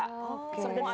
semua ada di dalam buku